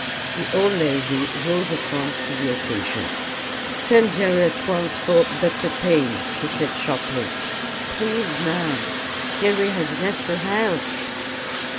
The old lady rose at once to the occasion. "Send Jerry at once for Dr. Payne," she said sharply. "Please, ma'am, Jerry has left the house."